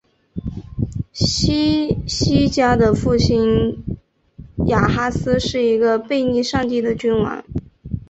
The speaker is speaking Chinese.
希西家的父亲亚哈斯是一个背逆上帝的君王。